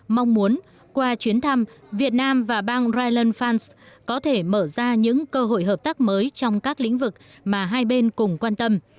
mong muốn qua chuyến thăm việt nam và bang ryan fans có thể mở ra những cơ hội hợp tác mới trong các lĩnh vực mà hai bên cùng quan tâm